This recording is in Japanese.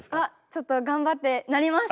ちょっと頑張ってなります！